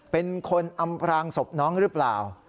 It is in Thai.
เป็นคนอำพรางศพน้องหรือเปล่า